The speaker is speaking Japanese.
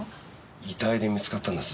遺体で見つかったんです。